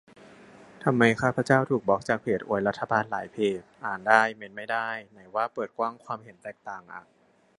ทำไมข้าพเจ้าถูกบล็อคจากเพจอวยรัฐบาลหลายเพจ อ่านได้ เมนต์ไม่ได้ ไหนว่าเปิดกว้างความเห็นแตกต่างอะ